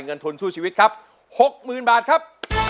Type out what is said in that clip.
เงินทุนสู้ชีวิตครับ๖๐๐๐บาทครับ